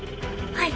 はい。